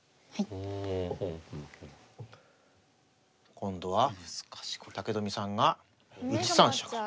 今度は武富さんが１三飛車。